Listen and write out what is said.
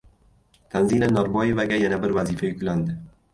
Tanzila Norboyevaga yana bir vazifa yuklandi